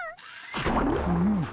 フム！